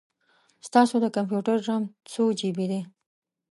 ستاسو د کمپیوټر رم څو جې بې دی؟